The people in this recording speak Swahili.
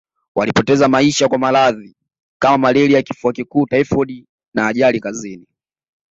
Walipoteza maisha kwa maradhi kama malaria Kifua kikuu taifodi na ajali kazini